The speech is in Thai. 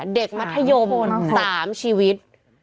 เด็กมัธยม๓ชีวิต